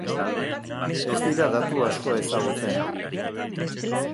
Ez dira datu asko ezagutzen.